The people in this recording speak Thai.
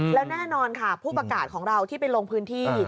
แล้วแน่นอนค่ะผู้ประกาศของเราที่ไปลงพื้นที่